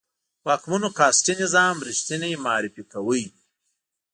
واکمنو کاسټي نظام ریښتنی معرفي کاوه.